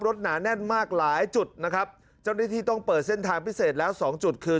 หนาแน่นมากหลายจุดนะครับเจ้าหน้าที่ต้องเปิดเส้นทางพิเศษแล้วสองจุดคือ